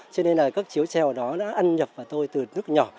cho nên là các chiếu trèo đó đã ăn nhập vào tôi từ nước nhỏ